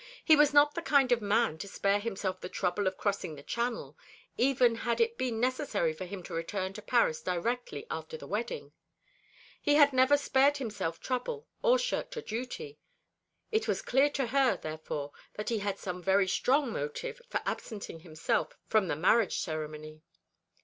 He was not the kind of man to spare himself the trouble of crossing the Channel, even had it been necessary for him to return to Paris directly after the wedding. He had never spared himself trouble or shirked a duty. It was clear to her, therefore, that he had some very strong motive for absenting himself from the marriage ceremony.